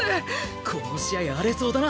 この試合荒れそうだな！